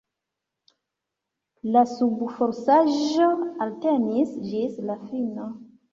La subfosaĵo eltenis ĝis la fino.